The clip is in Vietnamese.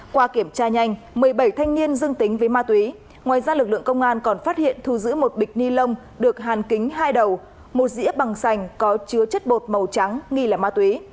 qua kiểm tra nhanh một mươi bảy thanh niên dương tính với ma túy ngoài ra lực lượng công an còn phát hiện thu giữ một bịch ni lông được hàn kính hai đầu một dĩa bằng sành có chứa chất bột màu trắng nghi là ma túy